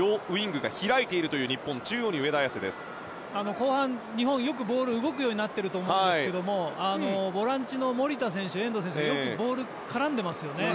後半の日本よくボールが動くようになっていると思いますがボランチの守田選手と遠藤選手がボールによく絡んでますね。